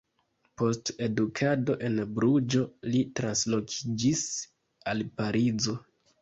Post edukado en Bruĝo, li translokiĝis al Parizo.